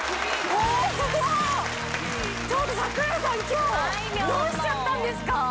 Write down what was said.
今日どうしちゃったんですか！